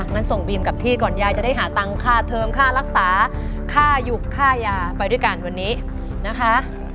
งั้นส่งบีมกลับที่ก่อนยายจะได้หาตังค่าเทิมค่ารักษาค่าหยุกค่ายาไปด้วยกันวันนี้นะคะ